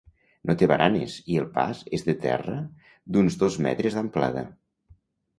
No té baranes i el pas és de terra d'uns dos metres d'amplada.